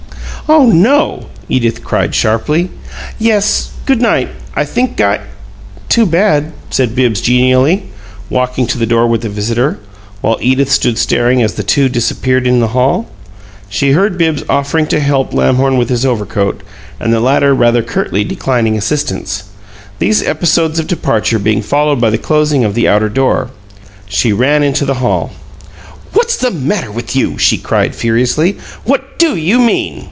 "Oh NO!" Edith cried, sharply. "Yes. Good night! I think I " "Too bad," said Bibbs, genially, walking to the door with the visitor, while Edith stood staring as the two disappeared in the hall. She heard Bibbs offering to "help" Lamhorn with his overcoat and the latter rather curtly declining assistance, these episodes of departure being followed by the closing of the outer door. She ran into the hall. "What's the matter with you?" she cried, furiously. "What do you MEAN?